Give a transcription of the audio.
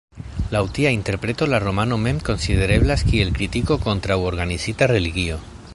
Laŭ tia interpreto la romano mem konsidereblas kiel kritiko kontraŭ organizita religio.